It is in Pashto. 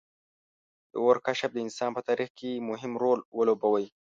• د اور کشف د انسان په تاریخ کې مهم رول لوبولی.